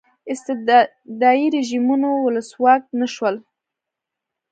استبدادي رژیمونو ولسواک نه شول.